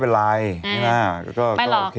ไปหลอกตามข่าว